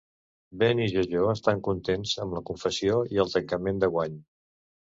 Ben i Jojo estan contents amb la confessió i el tancament de guany.